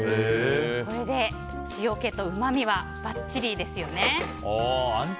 これで、塩気とうまみはばっちりですよね。